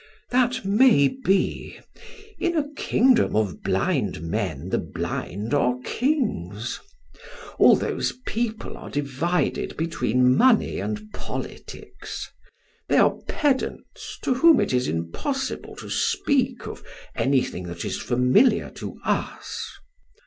"That may be. In a kingdom of blind men the blind are kings. All those people are divided between money and politics; they are pedants to whom it is impossible to speak of anything that is familiar to us.